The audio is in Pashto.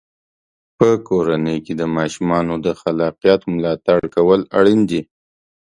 په کورنۍ کې د ماشومانو د خلاقیت ملاتړ کول اړین دی.